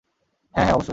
হ্যাঁঁ, হ্যাঁঁ, অবশ্যই।